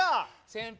先輩